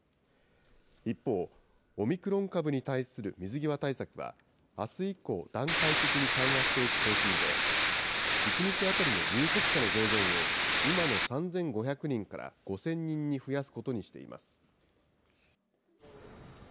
一方、オミクロン株に対する水際対策は、あす以降、段階的に緩和していく方針で、１日当たりの入国者の上限を、今の３５００人から５０００人に増やすことにしています。